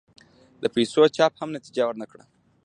د پیسو چاپ هم نتیجه ور نه کړه.